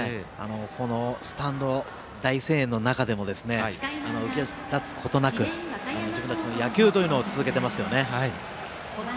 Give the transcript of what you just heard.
このスタンド、大声援の中でも浮き足立つことなく自分たちの野球を続けてますよね。